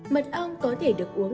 mật ong có thể được uống